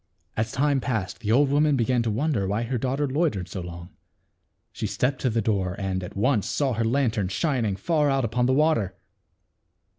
As time passed the old woman began to won der why her daughter loitered so long. She stepped to the door, and, at once, saw her lan tern shining far out upon the water.